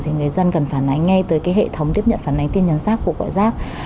thì người dân cần phản ánh ngay tới hệ thống tiếp nhận phản ánh tin nhắn giác của gọi giác